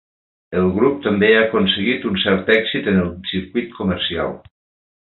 El grup també ha aconseguit un cert èxit en el circuit comercial.